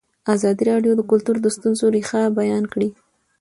ازادي راډیو د کلتور د ستونزو رېښه بیان کړې.